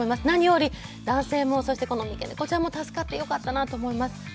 何より、男性もそして三毛猫ちゃんも助かって良かったなと思います。